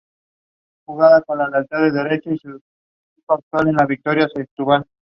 The longest-serving governor was Moore, who served for three terms over twelve years.